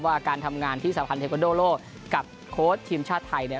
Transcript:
ว่าการทำงานที่สาพันธ์เทควันโดโลกับโค้ชทีมชาติไทยเนี่ย